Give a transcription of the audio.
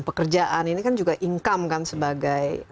pekerjaan ini kan juga income kan sebagai